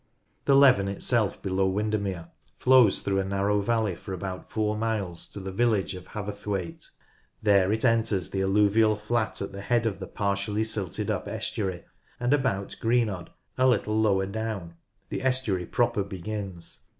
The Leven itself below Windermere flows through a narrow valley for about four miles to the village of Haverthwaite. There it enters the alluvial flat at the head of the partially silted up estuary, and about Green odd, a little lower down, the estuary proper begins.